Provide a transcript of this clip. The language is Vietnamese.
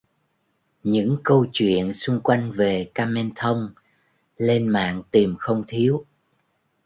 Những câu chuyện xung quanh về Kamen thông lên mạng tìm không thiếu